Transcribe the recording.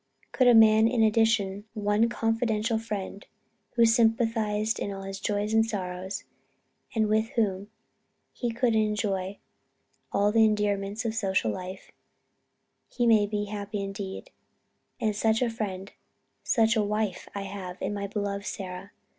Could a man have in addition, one confidential friend, who sympathized in all his joys and sorrows, and with whom he could enjoy all the endearments of social life, he might be happy indeed and such a friend, such a wife I have, in my beloved Sarah.